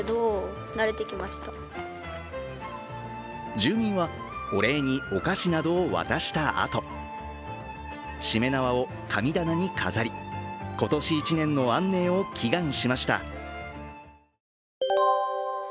住民はお礼にお菓子などを渡したあと、しめ縄を神棚に飾り今年１年の安寧を祈願しました